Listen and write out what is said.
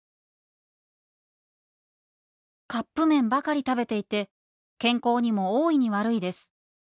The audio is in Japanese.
「カップ麺ばかり食べていて健康にも大いに悪いです。